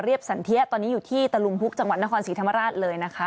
สันเทียตอนนี้อยู่ที่ตะลุมพุกจังหวัดนครศรีธรรมราชเลยนะคะ